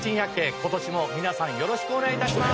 今年も皆さんよろしくお願い致します。